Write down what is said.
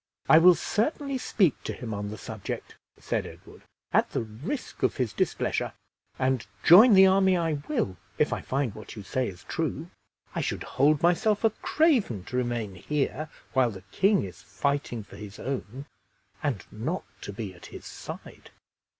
"I will certainly speak to him on the subject," said Edward, at the "risk of his displeasure; and join the army I will, if I find what you say is true. I should hold myself a craven to remain here while the king is fighting for his own, and not to be at his side."